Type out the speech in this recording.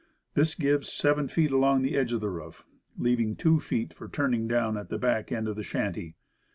This gives 7 feet along the edge of the roof, leaving 2 feet for turning down at the back end of the shanty.